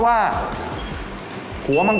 โอ้โฮ